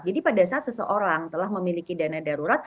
jadi pada saat seseorang telah memiliki dana darurat